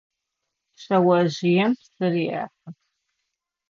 Шъэожъыем псыр ехьы.